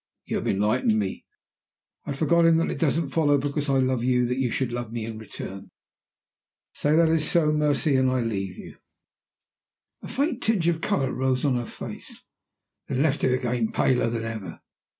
"You have enlightened me. I had forgotten that it doesn't follow, because I love you, that you should love me in return. Say that it is so, Mercy, and I leave you." A faint tinge of color rose on her face then left it again paler than ever.